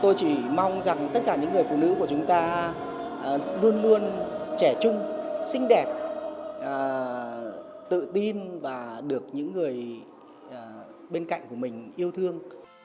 tôi chỉ mong rằng tất cả những người phụ nữ của chúng ta luôn luôn trẻ chung xinh đẹp tự tin và được những người bên cạnh của mình yêu thương